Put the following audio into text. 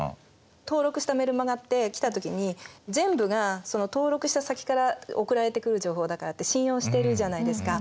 登録したメルマガって来た時に全部が登録した先から送られてくる情報だからって信用してるじゃないですか。